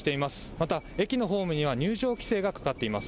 また、駅のホームには入場規制がかかっています。